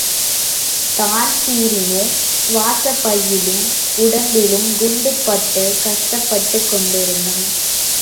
தான்பிரீனோ சுவாசப்பையிலும் உடம்பிலும் குண்டு பட்டுக் கஷ்டப்பட்டுக் கொண்டிருந்தான்.